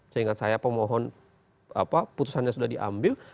saya ingat saya pemohon putusannya sudah diambil